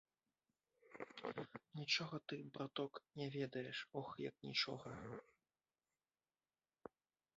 Нічога ты, браток, не ведаеш, ох, як нічога!